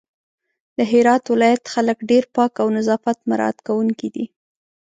د هرات ولايت خلک ډېر پاک او نظافت مرعت کونکي دي